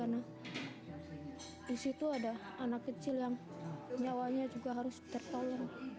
di situ ada anak kecil yang nyawanya juga harus tertolong